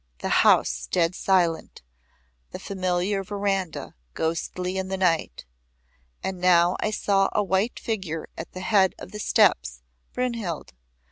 The house dead silent; the familiar veranda ghostly in the night. And now I saw a white figure at the head of the steps Brynhild.